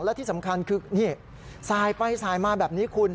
และที่สำคัญคือนี่สายไปสายมาแบบนี้คุณ